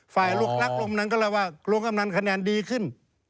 ฝ่ายรักลุงกำนันก็เลยว่าลุงกำนันคะแนนดีขึ้น